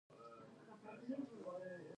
لاسونه د زړه لاره ښيي